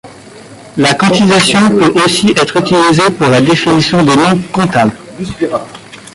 La quantisation peut aussi être utilisée pour la définition des noms comptables.